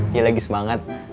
dia lagi semangat